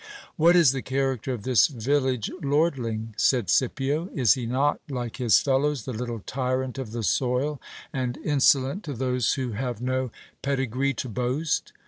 What is the character of this village lordling ? said Scipio. Is he not, like his fellows, the little tyrant of the soil, and insolent to those who have no pedi gree to boast